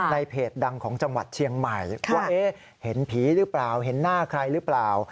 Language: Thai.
เพจดังของจังหวัดเชียงใหม่ว่าเห็นผีหรือเปล่าเห็นหน้าใครหรือเปล่า